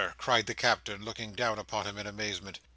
cried the Captain, looking down upon him in amazement.